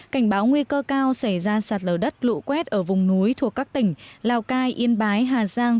cảnh báo nguy cơ cao xảy ra sạt lở đất lũ quét ở vùng núi thuộc các tỉnh lào cai yên bái hà giang